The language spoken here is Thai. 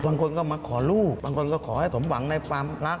บางคนก็มาขอลูกบางคนก็ขอให้สมหวังในความรัก